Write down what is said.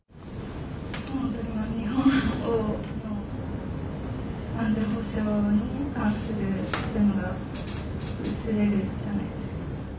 日本の安全保障に関するっていうのが薄れるじゃないですか。